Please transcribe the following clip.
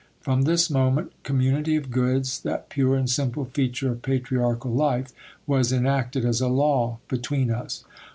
From this moment, community of goods, that pure and simple feature of patriarchal life, was enacted as a law between us.